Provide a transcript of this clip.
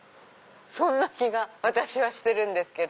そんな気が私はしてるんですけど。